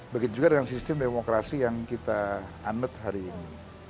begitu juga dengan sistem demokrasi yang kita anet hari ini